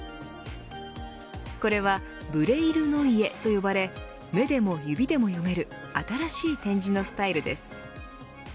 これはブレイルノイエと呼ばれ目でも指でも読める新しい点字のスタイルです。